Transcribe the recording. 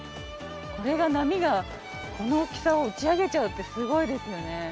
これが波がこの大きさを打ち上げちゃうってすごいですよね。